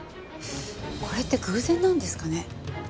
これって偶然なんですかね？